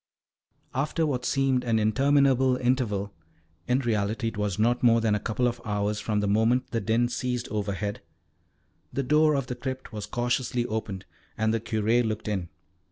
After what seemed an interminable interval in reality it was not more than a couple of hours from the moment the din ceased overhead the door of the crypt was cautiously opened, and the Curé looked in.